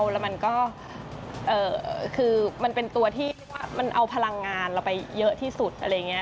แล้วมันก็คือมันเป็นตัวที่มันเอาพลังงานเราไปเยอะที่สุดอะไรอย่างนี้